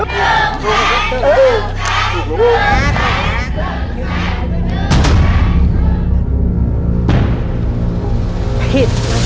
ถูกถูกถูกถูกถูกถูกถูกถูกถูกถูกถูกถูกถูก